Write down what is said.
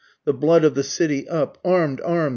The blood of the city up arm'd! arm'd!